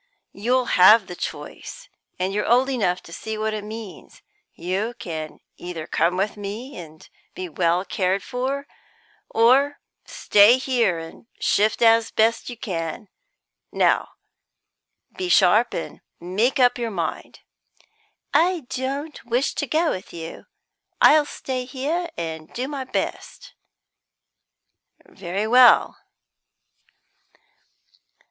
"You have the choice, and you're old enough to see what it means. You can either come with me and be well cared for, or stay here and shift as best you can; now, be sharp and make up your mind." "I don't wish to go with you, I'll stay here and do my best." "Very well."